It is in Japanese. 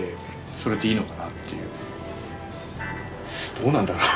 どうなんだろう？